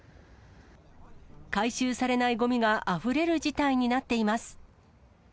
回収されないごみがあふれる事態になっています。